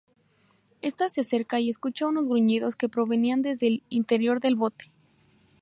Esta se acerca y escucha unos gruñidos que provenían desde el interior del bote.